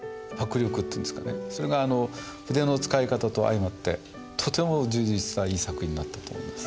それが筆の使い方と相まってとても充実したいい作品になったと思います。